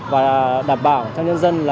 và đảm bảo cho nhân dân